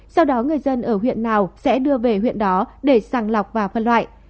sau đó người dân ở huyện nào sẽ đưa về huyện đó để sàng lọc và phân loại